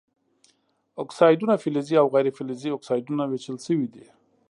اکسایدونه فلزي او غیر فلزي اکسایدونو ویشل شوي دي.